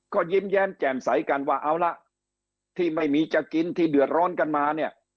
ก็ยิ้มแย้มแจ่มใสกันว่าเอาละที่ไม่มีจะกินที่เดือดร้อนกันมาเนี่ย